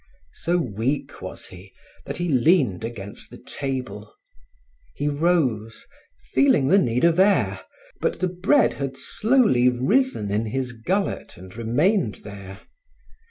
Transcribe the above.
So weak was he that he leaned against the table. He rose, feeling the need of air, but the bread had slowly risen in his gullet and remained there.